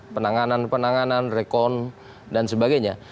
penanganan penanganan rekon dan sebagainya